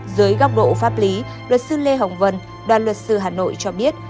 dưới góc độ pháp lý luật sư lê hồng vân đoàn luật sư hà nội cho biết